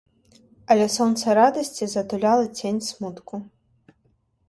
Але сонца радасці затуляла цень смутку.